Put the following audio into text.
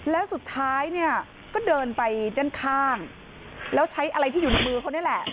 แล้วสุดท้ายเนี่ยก็เดินไปด้านข้างแล้วใช้อะไรที่อยู่ในมือเขานี่แหละ